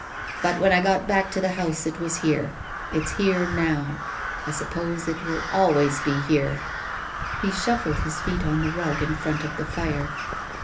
But when I got back to the house it was here. It's here now. I suppose it will always be here." He shuffled his feet on the rug in front of the fire.